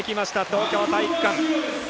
東京体育館。